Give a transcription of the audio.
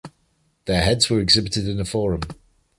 Their heads were exhibited in the Forum.